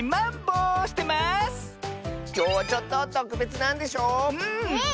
きょうはちょっととくべつなんでしょ？え？